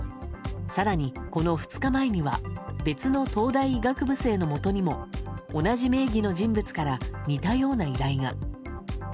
更に、この２日前には別の東大医学部生のもとにも同じ名義の人物から似たような依頼が。